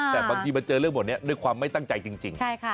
แต่บางทีมาเจอเรื่องบทนี้ด้วยความไม่ตั้งใจจริง